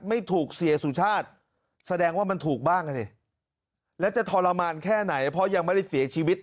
ไม่ถูกเสียสุชาติแสดงว่ามันถูกบ้างอ่ะสิแล้วจะทรมานแค่ไหนเพราะยังไม่ได้เสียชีวิต